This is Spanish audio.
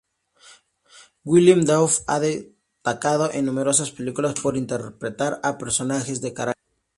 Willem Dafoe ha destacado en numerosas películas por interpretar a personajes de carácter.